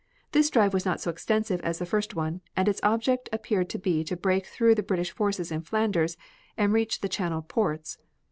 This drive was not so extensive as the first one, and its object appeared to be to break through the British forces in Flanders and reach the Channel ports.